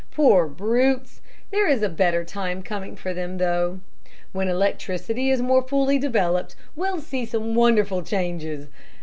Poor brutes, there is a better time coming for them though. When electricity is more fully developed, we'll see some wonderful changes.